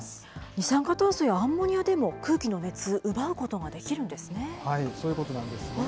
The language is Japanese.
二酸化炭素やアンモニアでも空気の熱、奪うことができるんでそういうことなんですね。